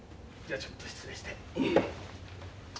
じゃちょっと失礼して。